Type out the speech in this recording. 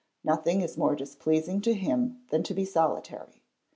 Nothing is more displeasing to him than to be solitary.